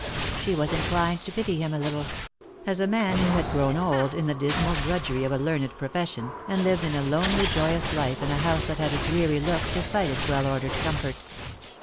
She was inclined to pity him a little, as a man who had grown old in the dismal drudgery of a learned profession, and lived a lonely joyless life in a house that had a dreary look despite its well ordered comfort.